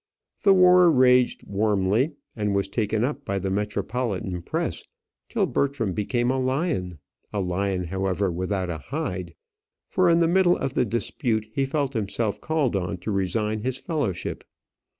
The war raged warmly, and was taken up by the metropolitan press, till Bertram became a lion a lion, however, without a hide, for in the middle of the dispute he felt himself called on to resign his fellowship.